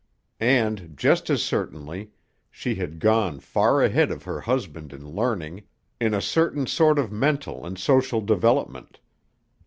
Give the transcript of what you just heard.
And, just as certainly, she had gone far ahead of her husband in learning, in a certain sort of mental and social development.